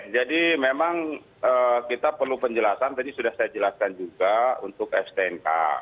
jadi memang kita perlu penjelasan tadi sudah saya jelaskan juga untuk stn k